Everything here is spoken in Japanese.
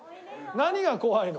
何が怖いの？